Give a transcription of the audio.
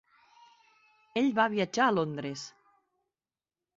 Ell va viatjar a Londres.